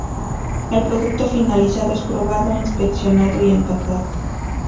El producto finalizado es probado, inspeccionado y empacado.